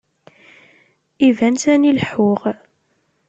Iban sani leḥḥuɣ.